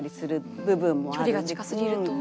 距離が近すぎると。